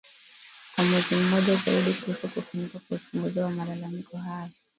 kwa mwezi mmoja zaidi kuhusu kufanyika kwa uchunguza wa malalamiko hayo